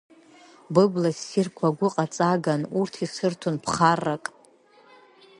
Быбла ссирқәа гәыҟаҵаган, урҭ исырҭон ԥхаррак.